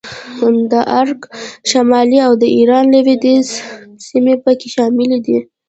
د عراق شمالي او د ایران لوېدیځې سیمې په کې شاملې دي